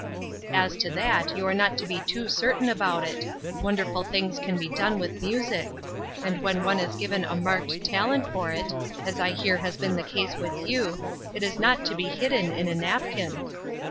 "As to that, you are not to be too certain about it. Wonderful things can be done with music; and when one is given a marked talent for it, as I hear has been the case with you, it is not to be hidden in a napkin."